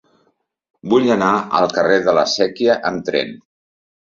Vull anar al carrer de la Sèquia amb tren.